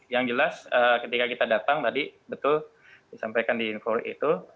yang jelas ketika kita datang tadi betul disampaikan di info itu